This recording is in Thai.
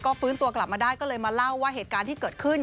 ฟื้นตัวกลับมาได้ก็เลยมาเล่าว่าเหตุการณ์ที่เกิดขึ้น